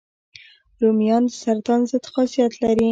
رومیان د سرطان ضد خاصیت لري